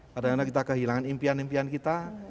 kadang kadang kita kehilangan impian impian kita